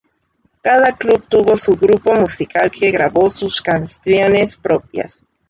Cada club tuvo su grupo musical propio que grabó sus canciones propias.